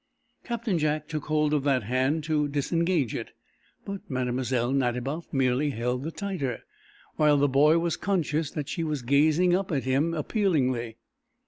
Captain Jack took hold of that hand to disengage it. But Mlle. Nadiboff merely held the tighter, while the boy was conscious that she was gazing up at him appealingly.